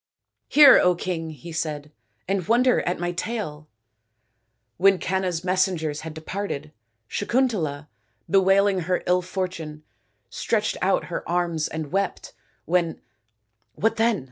" Hear, King," he said, " and wonder at my tale ! t When Canna's messengers had departed, Sakuntala, bewailing her ill fortune, stretched out her arms and wept ; when "" What then